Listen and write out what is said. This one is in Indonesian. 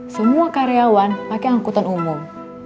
semua karyawan pakai angkutan umum